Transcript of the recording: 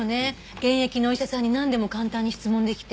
現役のお医者さんになんでも簡単に質問できて。